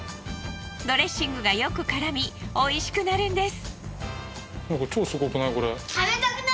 ドレッシングがよく絡みおいしくなるんです。